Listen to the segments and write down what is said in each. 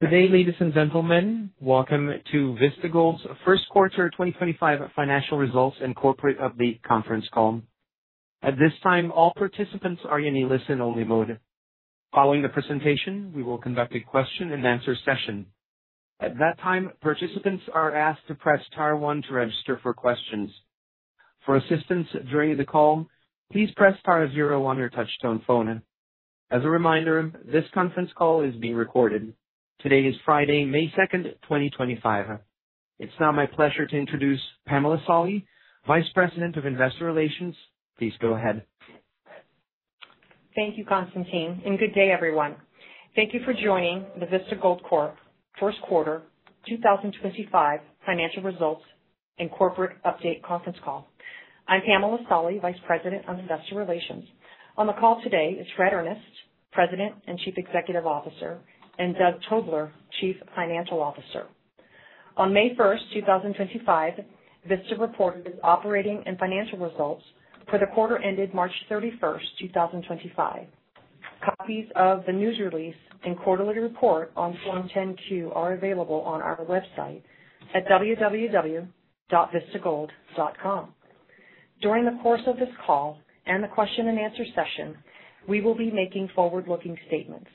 Good day, ladies and gentlemen. Welcome to Vista Gold's first quarter 2025 financial results and corporate update conference call. At this time, all participants are in a listen-only mode. Following the presentation, we will conduct a question-and-answer session. At that time, participants are asked to press star one to register for questions. For assistance during the call, please press star zero on your touchstone phone. As a reminder, this conference call is being recorded. Today is Friday, May 2nd, 2025. It's now my pleasure to introduce Pamela Solly, Vice President of Investor Relations. Please go ahead. Thank you, Constantine. Good day, everyone. Thank you for joining the Vista Gold first quarter 2025 financial results and corporate update conference call. I'm Pamela Solly, Vice President of Investor Relations. On the call today is Fred Earnest, President and Chief Executive Officer, and Doug Tobler, Chief Financial Officer. On May 1st, 2025, Vista reported its operating and financial results for the quarter ended March 31st, 2025. Copies of the news release and quarterly report on Form 10-Q are available on our website at www.vistagold.com. During the course of this call and the question-and-answer session, we will be making forward-looking statements.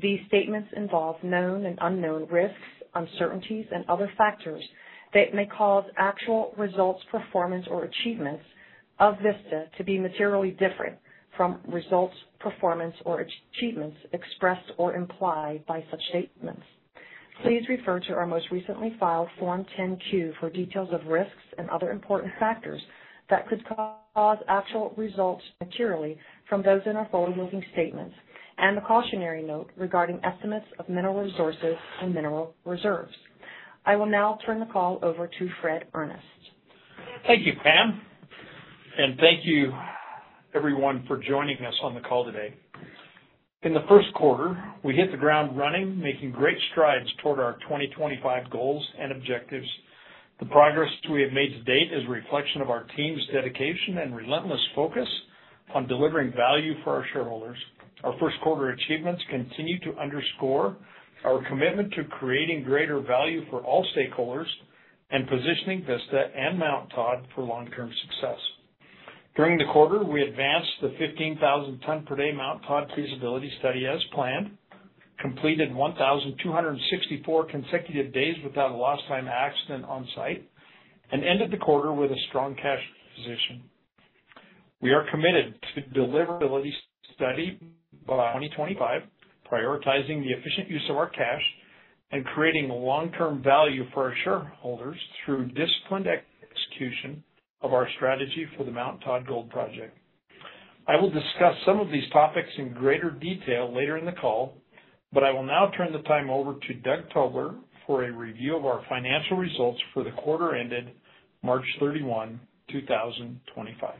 These statements involve known and unknown risks, uncertainties, and other factors that may cause actual results, performance, or achievements of Vista to be materially different from results, performance, or achievements expressed or implied by such statements. Please refer to our most recently filed Form 10-Q for details of risks and other important factors that could cause actual results materially from those in our forward-looking statements and the cautionary note regarding estimates of mineral resources and mineral reserves. I will now turn the call over to Fred Earnest. Thank you, Pam, and thank you, everyone, for joining us on the call today. In the first quarter, we hit the ground running, making great strides toward our 2025 goals and objectives. The progress we have made to date is a reflection of our team's dedication and relentless focus on delivering value for our shareholders. Our first quarter achievements continue to underscore our commitment to creating greater value for all stakeholders and positioning Vista and Mount Todd for long-term success. During the quarter, we advanced the 15,000 tons per day Mount Todd feasibility study as planned, completed 1,264 consecutive days without a lost-time accident on site, and ended the quarter with a strong cash position. We are committed to deliver the feasibility study by 2025, prioritizing the efficient use of our cash and creating long-term value for our shareholders through disciplined execution of our strategy for the Mount Todd gold project. I will discuss some of these topics in greater detail later in the call, but I will now turn the time over to Doug Tobler for a review of our financial results for the quarter ended March 31st, 2025.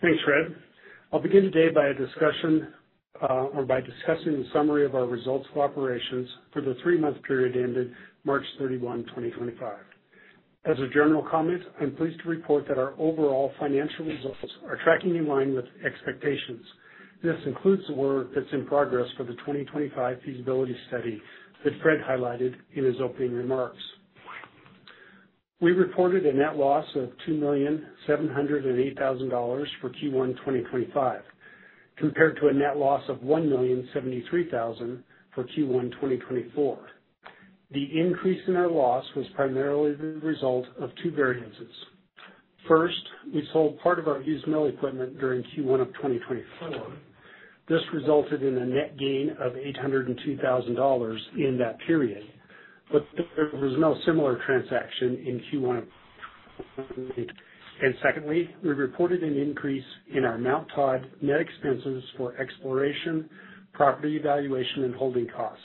Thanks, Fred. I'll begin today by a discussion or by discussing the summary of our results for operations for the three-month period ended March 31, 2025. As a general comment, I'm pleased to report that our overall financial results are tracking in line with expectations. This includes the work that's in progress for the 2025 feasibility study that Fred highlighted in his opening remarks. We reported a net loss of $2,708,000 for Q1 2025, compared to a net loss of $1,073,000 for Q1 2024. The increase in our loss was primarily the result of two variances. First, we sold part of our used mill equipment during Q1 of 2024. This resulted in a net gain of $802,000 in that period, but there was no similar transaction in Q1 of 2025. Secondly, we reported an increase in our Mount Todd net expenses for exploration, property evaluation, and holding costs.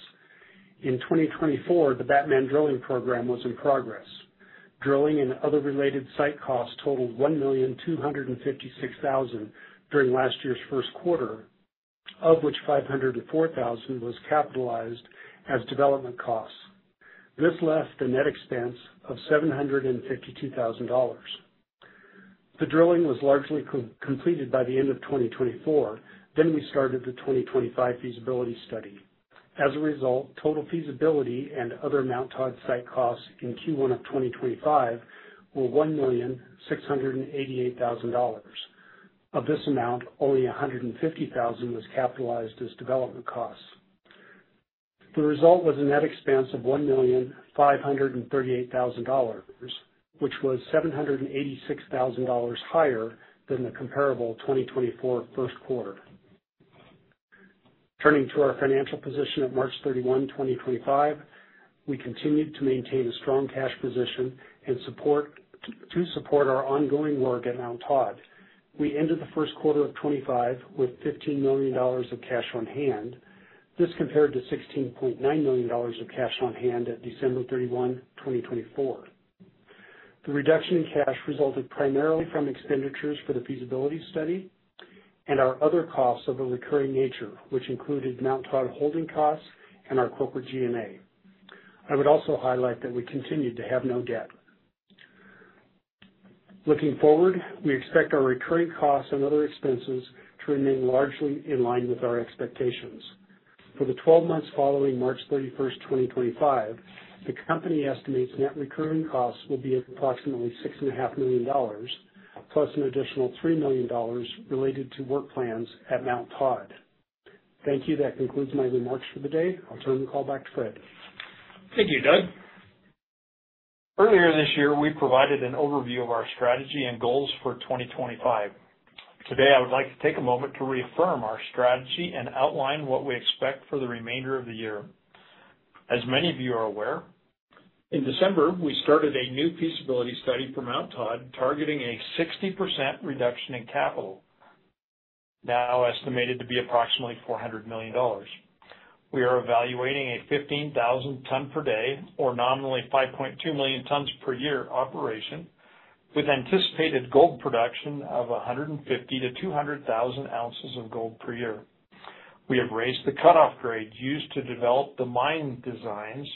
In 2024, the Batman Drilling Program was in progress. Drilling and other related site costs totaled $1,256,000 during last year's first quarter, of which $504,000 was capitalized as development costs. This left a net expense of $752,000. The drilling was largely completed by the end of 2024. We started the 2025 feasibility study. As a result, total feasibility and other Mount Todd site costs in Q1 of 2025 were $1,688,000. Of this amount, only $150,000 was capitalized as development costs. The result was a net expense of $1,538,000, which was $786,000 higher than the comparable 2024 first quarter. Turning to our financial position at March 31, 2025, we continued to maintain a strong cash position and support our ongoing work at Mount Todd. We ended the first quarter of 2025 with $15 million of cash on hand. This compared to $16.9 million of cash on hand at December 31, 2024. The reduction in cash resulted primarily from expenditures for the feasibility study and our other costs of a recurring nature, which included Mount Todd holding costs and our corporate G&A. I would also highlight that we continued to have no debt. Looking forward, we expect our recurring costs and other expenses to remain largely in line with our expectations. For the 12 months following March 31, 2025, the company estimates net recurring costs will be approximately $6,500,000, plus an additional $3,000,000 related to work plans at Mount Todd. Thank you. That concludes my remarks for the day. I'll turn the call back to Fred. Thank you, Doug. Earlier this year, we provided an overview of our strategy and goals for 2025. Today, I would like to take a moment to reaffirm our strategy and outline what we expect for the remainder of the year. As many of you are aware, in December, we started a new feasibility study for Mount Todd targeting a 60% reduction in capital, now estimated to be approximately $400 million. We are evaluating a 15,000-ton per day, or nominally 5.2 million tons per year operation, with anticipated gold production of 150,000-200,000 ounces of gold per year. We have raised the cutoff grade used to develop the mine designs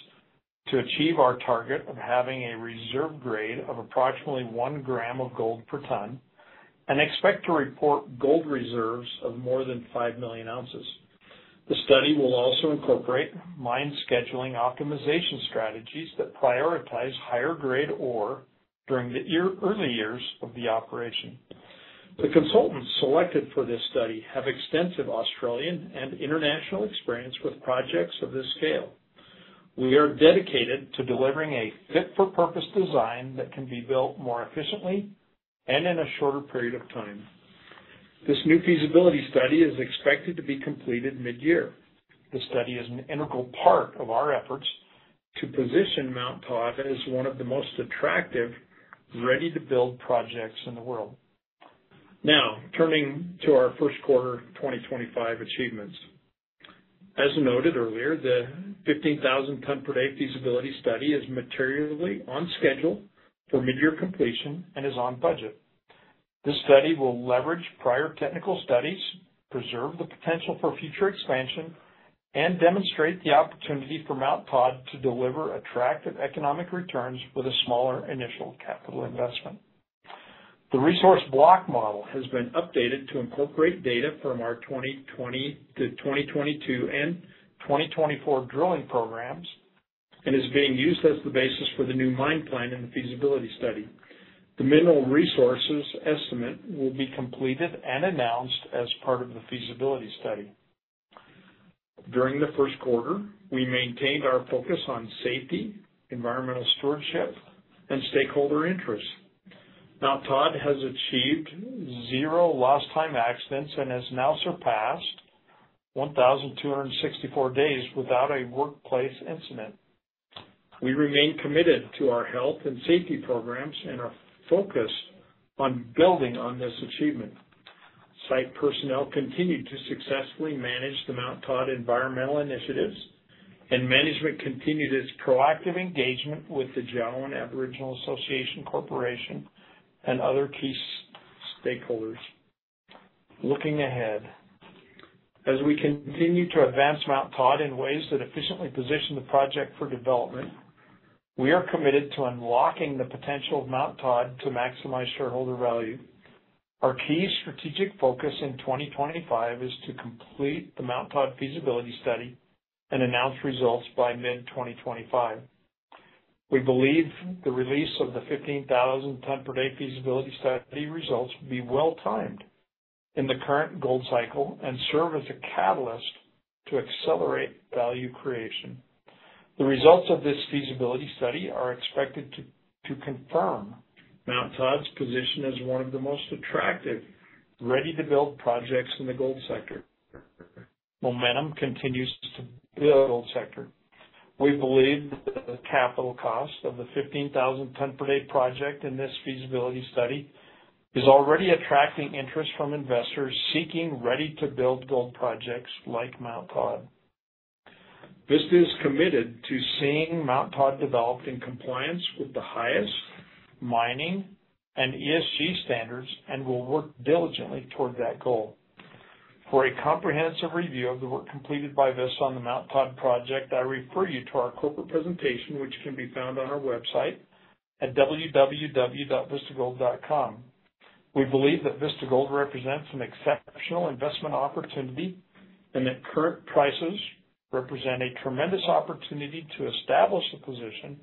to achieve our target of having a reserve grade of approximately one gram of gold per ton and expect to report gold reserves of more than 5 million ounces. The study will also incorporate mine scheduling optimization strategies that prioritize higher grade ore during the early years of the operation. The consultants selected for this study have extensive Australian and international experience with projects of this scale. We are dedicated to delivering a fit-for-purpose design that can be built more efficiently and in a shorter period of time. This new feasibility study is expected to be completed mid-year. The study is an integral part of our efforts to position Mount Todd as one of the most attractive ready-to-build projects in the world. Now, turning to our first quarter 2025 achievements. As noted earlier, the 15,000 tons per day feasibility study is materially on schedule for mid-year completion and is on budget. This study will leverage prior technical studies, preserve the potential for future expansion, and demonstrate the opportunity for Mount Todd to deliver attractive economic returns with a smaller initial capital investment. The resource block model has been updated to incorporate data from our 2020-2022 and 2024 drilling programs and is being used as the basis for the new mine plan and the feasibility study. The mineral resources estimate will be completed and announced as part of the feasibility study. During the first quarter, we maintained our focus on safety, environmental stewardship, and stakeholder interests. Mount Todd has achieved zero lost-time accidents and has now surpassed 1,264 days without a workplace incident. We remain committed to our health and safety programs and are focused on building on this achievement. Site personnel continued to successfully manage the Mount Todd environmental initiatives, and management continued its proactive engagement with the Jowen Aboriginal Association Corporation and other key stakeholders. Looking ahead, as we continue to advance Mount Todd in ways that efficiently position the project for development, we are committed to unlocking the potential of Mount Todd to maximize shareholder value. Our key strategic focus in 2025 is to complete the Mount Todd feasibility study and announce results by mid-2025. We believe the release of the 15,000 tons per day feasibility study results will be well-timed in the current gold cycle and serve as a catalyst to accelerate value creation. The results of this feasibility study are expected to confirm Mount Todd's position as one of the most attractive ready-to-build projects in the gold sector. Momentum continues to build the gold sector. We believe the capital cost of the 15,000-ton per day project in this feasibility study is already attracting interest from investors seeking ready-to-build gold projects like Mount Todd. Vista is committed to seeing Mount Todd developed in compliance with the highest mining and ESG standards and will work diligently toward that goal. For a comprehensive review of the work completed by Vista on the Mount Todd project, I refer you to our corporate presentation, which can be found on our website at www.vistagold.com. We believe that Vista Gold represents an exceptional investment opportunity and that current prices represent a tremendous opportunity to establish a position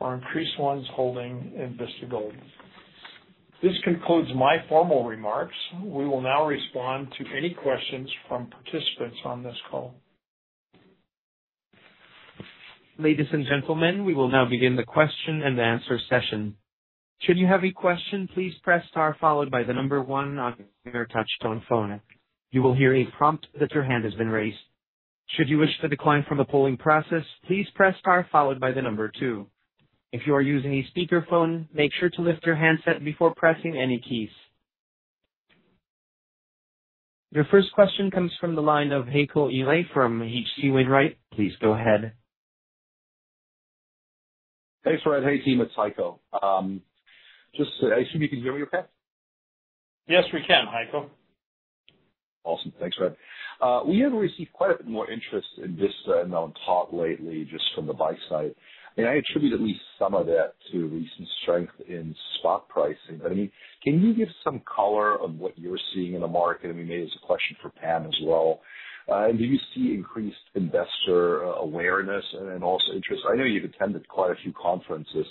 or increase one's holding in Vista Gold. This concludes my formal remarks. We will now respond to any questions from participants on this call. Ladies and gentlemen, we will now begin the question and answer session. Should you have a question, please press star followed by the number one on your touch-tone phone. You will hear a prompt that your hand has been raised. Should you wish to decline from the polling process, please press star followed by the number two. If you are using a speakerphone, make sure to lift your handset before pressing any keys. Your first question comes from the line of Heiko Ihle from HC Wainwright. Please go ahead. Thanks, Fred. Hey, team. It's Heiko. Just say, I assume you can hear me okay? Yes, we can, Heiko. Awesome. Thanks, Fred. We have received quite a bit more interest in Vista and Mount Todd lately, just from the buy side. I attribute at least some of that to recent strength in spot pricing. I mean, can you give some color of what you're seeing in the market? I mean, maybe it's a question for Pam as well. Do you see increased investor awareness and also interest? I know you've attended quite a few conferences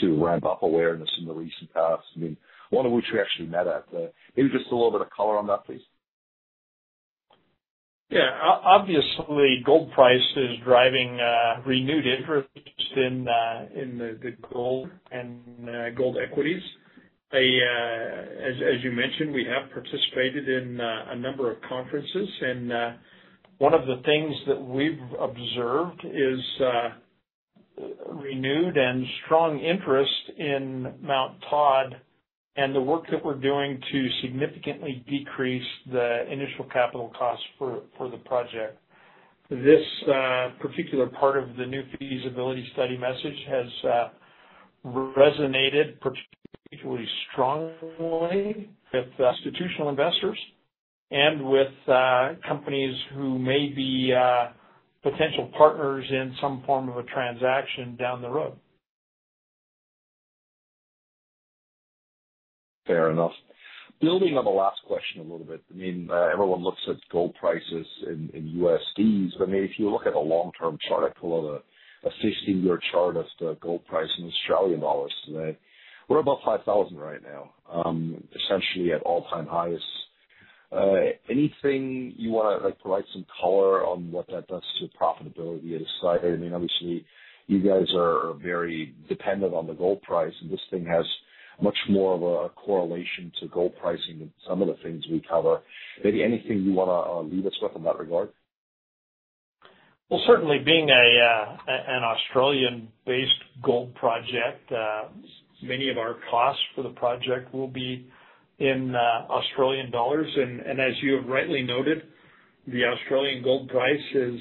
to ramp up awareness in the recent past. I mean, one of which we actually met at. Maybe just a little bit of color on that, please. Yeah. Obviously, gold price is driving renewed interest in the gold and gold equities. As you mentioned, we have participated in a number of conferences, and one of the things that we've observed is renewed and strong interest in Mount Todd and the work that we're doing to significantly decrease the initial capital costs for the project. This particular part of the new feasibility study message has resonated particularly strongly with institutional investors and with companies who may be potential partners in some form of a transaction down the road. Fair enough. Building on the last question a little bit, I mean, everyone looks at gold prices in USDs, but maybe if you look at a long-term chart, I pull out a 15-year chart of the gold price in Australian dollars today. We're about 5,000 right now, essentially at all-time highs. Anything you want to provide some color on what that does to profitability at a side? I mean, obviously, you guys are very dependent on the gold price, and this thing has much more of a correlation to gold pricing than some of the things we cover. Maybe anything you want to leave us with in that regard? Certainly, being an Australian-based gold project, many of our costs for the project will be in AUD. As you have rightly noted, the Australian gold price is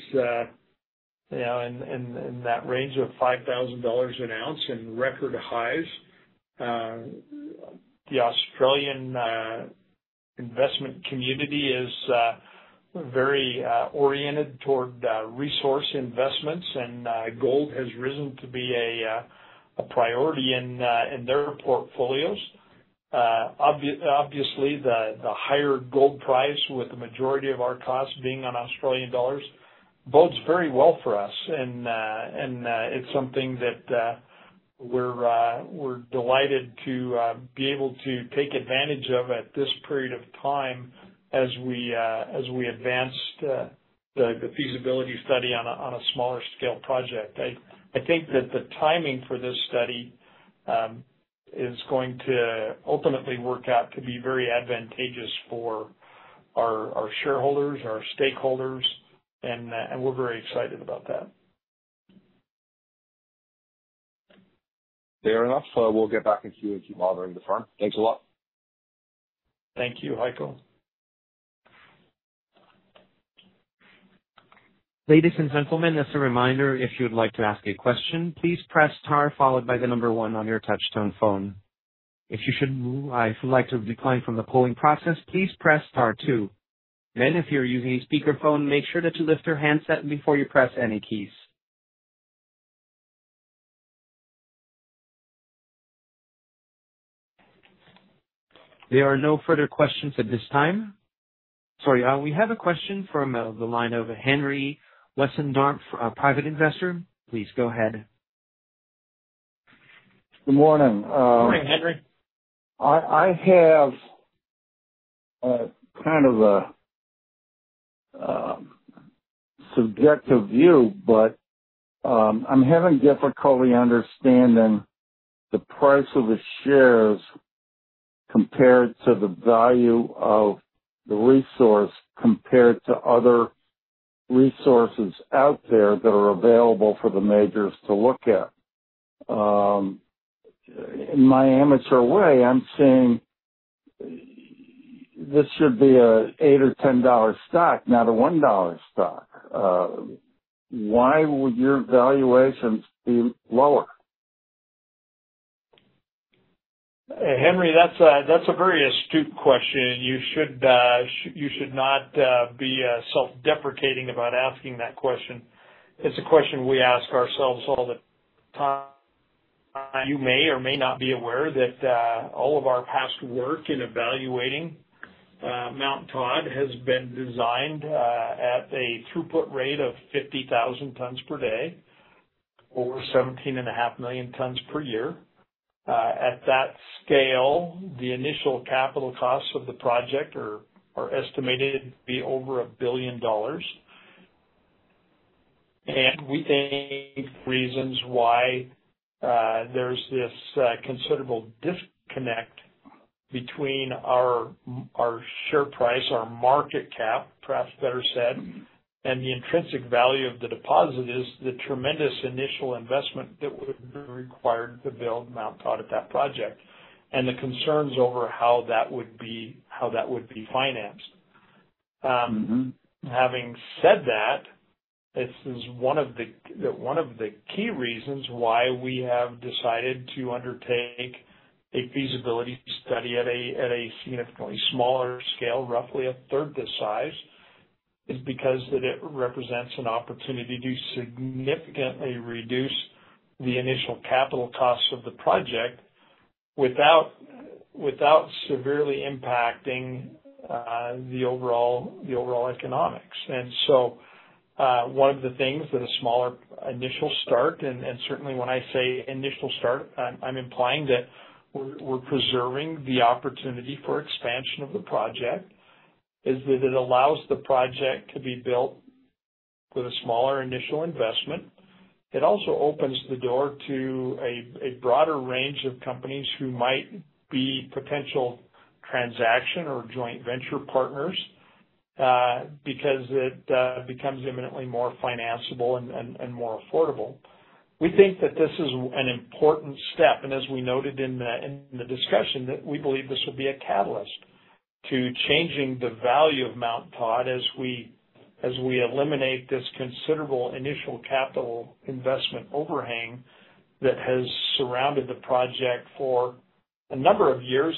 in that range of 5,000 dollars an ounce and record highs. The Australian investment community is very oriented toward resource investments, and gold has risen to be a priority in their portfolios. Obviously, the higher gold price with the majority of our costs being in AUD bodes very well for us, and it is something that we are delighted to be able to take advantage of at this period of time as we advance the feasibility study on a smaller scale project. I think that the timing for this study is going to ultimately work out to be very advantageous for our shareholders, our stakeholders, and we are very excited about that. Fair enough. We'll get back with you if you're bothering the firm. Thanks a lot. Thank you, Heiko. Ladies and gentlemen, as a reminder, if you'd like to ask a question, please press star followed by the number one on your touchstone phone. If you should like to decline from the polling process, please press star two. If you're using a speakerphone, make sure that you lift your handset before you press any keys. There are no further questions at this time. Sorry, we have a question from the line of Henry Wessendorp, private investor. Please go ahead. Good morning. Morning, Henry. I have kind of a subjective view, but I'm having difficulty understanding the price of the shares compared to the value of the resource compared to other resources out there that are available for the majors to look at. In my amateur way, I'm saying this should be an $8 or $10 stock, not a $1 stock. Why would your valuations be lower? Henry, that's a very astute question. You should not be self-deprecating about asking that question. It's a question we ask ourselves all the time. You may or may not be aware that all of our past work in evaluating Mount Todd has been designed at a throughput rate of 50,000 tons per day or $17.5 million tons per year. At that scale, the initial capital costs of the project are estimated to be over $1 billion. We think reasons why there's this considerable disconnect between our share price, our market cap, perhaps better said, and the intrinsic value of the deposit is the tremendous initial investment that would be required to build Mount Todd at that project and the concerns over how that would be financed. Having said that, this is one of the key reasons why we have decided to undertake a feasibility study at a significantly smaller scale, roughly a third the size, is because it represents an opportunity to significantly reduce the initial capital costs of the project without severely impacting the overall economics. One of the things that a smaller initial start, and certainly when I say initial start, I'm implying that we're preserving the opportunity for expansion of the project, is that it allows the project to be built with a smaller initial investment. It also opens the door to a broader range of companies who might be potential transaction or joint venture partners because it becomes imminently more financeable and more affordable. We think that this is an important step. As we noted in the discussion, we believe this will be a catalyst to changing the value of Mount Todd as we eliminate this considerable initial capital investment overhang that has surrounded the project for a number of years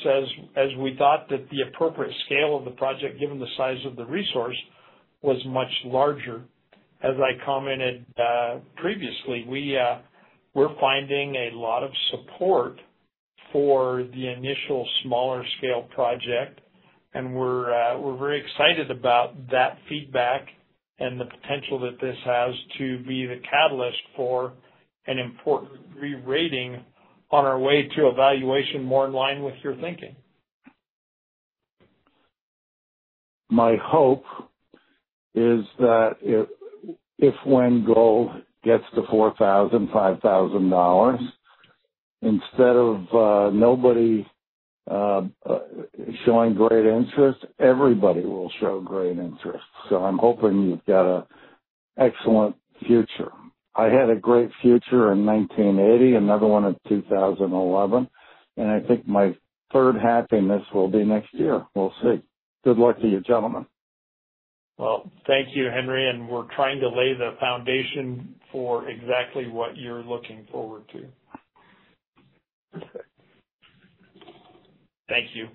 as we thought that the appropriate scale of the project, given the size of the resource, was much larger. As I commented previously, we're finding a lot of support for the initial smaller scale project, and we're very excited about that feedback and the potential that this has to be the catalyst for an important rerating on our way to evaluation more in line with your thinking. My hope is that if when gold gets to $4,000-$5,000, instead of nobody showing great interest, everybody will show great interest. I am hoping you've got an excellent future. I had a great future in 1980, another one in 2011, and I think my third happiness will be next year. We'll see. Good luck to you, gentlemen. Thank you, Henry, and we're trying to lay the foundation for exactly what you're looking forward to. Thank you.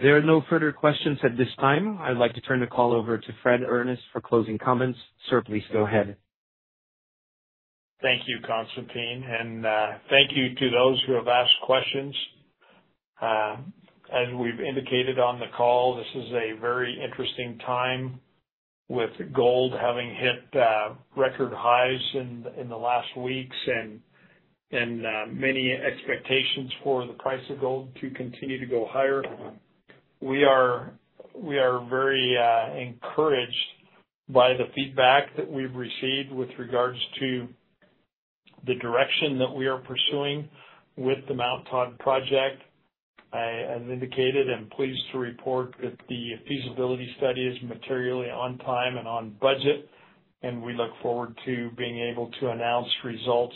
There are no further questions at this time. I'd like to turn the call over to Fred Earnest for closing comments. Sir, please go ahead. Thank you, Constantine, and thank you to those who have asked questions. As we've indicated on the call, this is a very interesting time with gold having hit record highs in the last weeks and many expectations for the price of gold to continue to go higher. We are very encouraged by the feedback that we've received with regards to the direction that we are pursuing with the Mount Todd project. As indicated, I'm pleased to report that the feasibility study is materially on time and on budget, and we look forward to being able to announce results.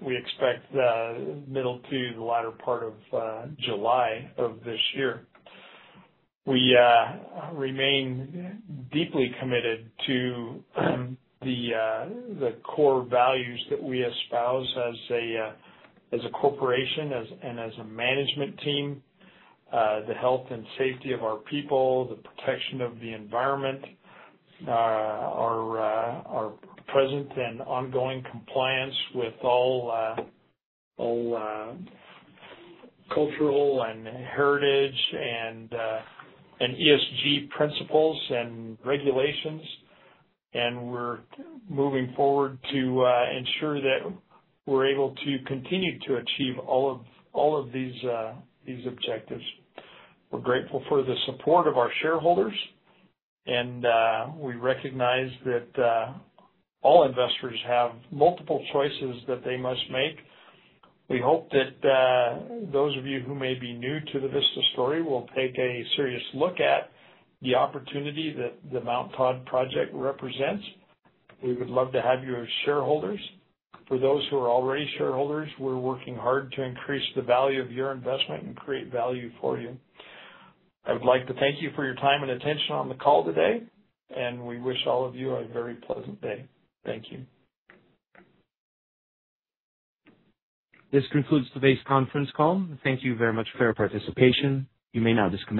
We expect the middle to the latter part of July of this year. We remain deeply committed to the core values that we espouse as a corporation and as a management team, the health and safety of our people, the protection of the environment, our present and ongoing compliance with all cultural and heritage and ESG principles and regulations, and we are moving forward to ensure that we are able to continue to achieve all of these objectives. We are grateful for the support of our shareholders, and we recognize that all investors have multiple choices that they must make. We hope that those of you who may be new to the Vista story will take a serious look at the opportunity that the Mount Todd project represents. We would love to have you as shareholders. For those who are already shareholders, we are working hard to increase the value of your investment and create value for you. I would like to thank you for your time and attention on the call today, and we wish all of you a very pleasant day. Thank you. This concludes today's conference call. Thank you very much for your participation. You may now disconnect.